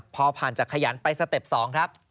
พอผ่านจากขยันไปสเต็ป๒ครับ